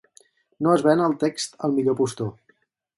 No es ven el text al millor postor.